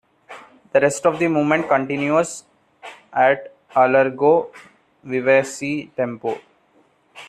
The rest of the movement continues at allegro vivace tempo.